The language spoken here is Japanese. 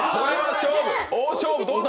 大勝負、どうだ！？